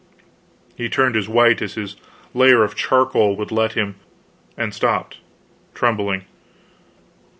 He turned as white as his layer of charcoal would let him, and stopped, trembling.